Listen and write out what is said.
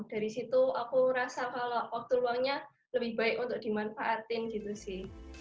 dari situ aku rasa kalau waktu luangnya lebih baik untuk dimanfaatin gitu sih